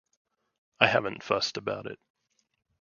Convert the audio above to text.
I haven't fussed about it.